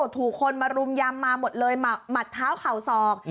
ถูกคนมารุมยำมาหมดเลยหมัดเท้าเข่าศอก